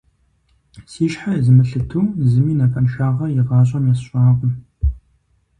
Си щхьэ езмылъыту зыми напэншагъэ игъащӀэм есщӀакъым.